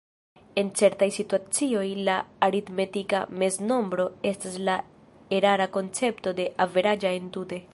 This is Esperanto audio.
En certaj situacioj, la aritmetika meznombro estas la erara koncepto de "averaĝa" entute.